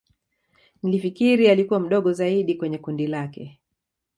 Nilifikiri alikua mdogo zaidi kweye kundi lake